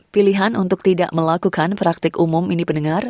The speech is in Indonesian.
pilihan untuk tidak melakukan praktik umum ini pendengar